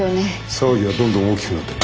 騒ぎはどんどん大きくなってる。